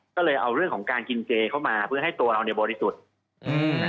ก็เลยเอาเรื่องของการกินเจเข้ามาเพื่อให้ตัวเราเนี่ยบริสุทธิ์